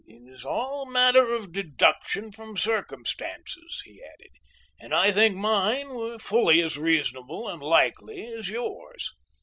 "It is all a matter of deduction from circumstances," he added, "and I think mine were fully as reasonable and likely as yours."